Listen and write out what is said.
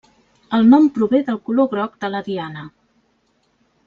El nom prové del color groc de la diana.